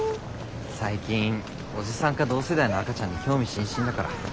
最近おじさんか同世代の赤ちゃんに興味津々だから。